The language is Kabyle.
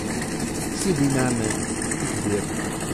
Deg Sidi Neεman, Tigzirt.